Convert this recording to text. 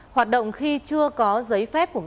hoạt động khi chưa có giấy phép của ngành